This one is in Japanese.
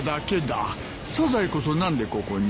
サザエこそ何でここに？